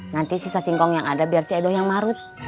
nanti sisa singkong yang ada biar cedoh yang marut